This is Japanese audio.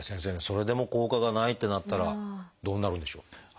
それでも効果がないってなったらどうなるんでしょう？